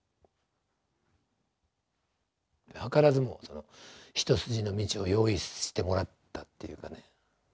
図らずも一筋の道を用意してもらったっていうかね。